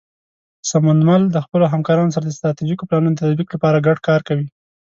سمونمل د خپلو همکارانو سره د ستراتیژیکو پلانونو د تطبیق لپاره ګډ کار کوي.